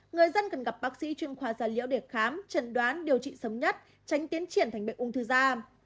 người dân cần gặp bác sĩ chuyên khoa gia liễu để khám trần đoán điều trị sớm nhất tránh tiến triển thành bệnh ung thư da